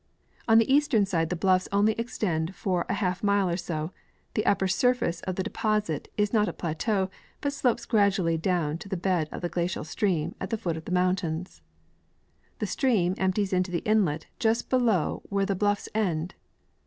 On the eastern side the bluffs only extend for a half mile or so ; the upper surface of the deposit is not a plateau, but slopes graduallj^ down to the bed of the glacial stream at the foot of the mountains. This stream empties into the inlet just below where the bluffs end.